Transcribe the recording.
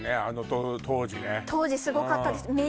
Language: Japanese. あの当時ね当時すごかったです